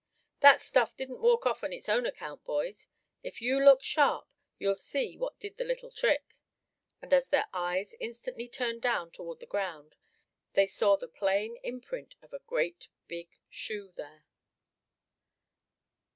"That stuff didn't walk off on its own account, boys; if you look sharp you'll see what did the little trick!" and as their eyes instantly turned down toward the ground they saw the plain imprint of a great big shoe there!